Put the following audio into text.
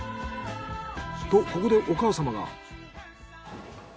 とここでお母様が。